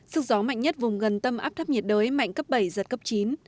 sức gió mạnh nhất vùng gần tâm áp thấp nhiệt đới mạnh cấp bảy giật cấp chín